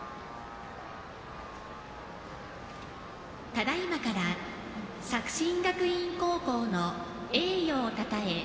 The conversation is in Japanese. ただいまから作新学院高校の栄誉をたたえ